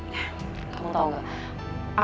ya kamu tau gak